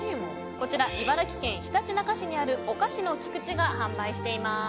こちら茨城県ひたちなか市にあるお菓子のきくちが販売しています。